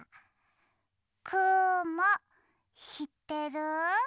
くもしってる？